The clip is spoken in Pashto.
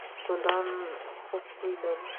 ګلان خوږ بوی لري.